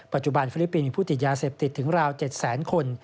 ปัจจุบันฟิลิปปินท์มีผู้ติดยาเสพติดถึงราว๗๐๐๐๐๐คน